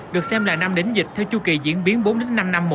hai nghìn một mươi chín được xem là năm đến dịch theo chu kỳ diễn biến bốn năm năm